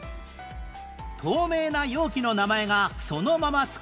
透明な容器の名前がそのまま付く